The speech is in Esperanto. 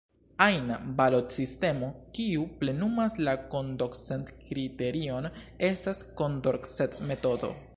Ajna balotsistemo kiu plenumas la Kondorcet-kriterion estas Kondorcet-metodo.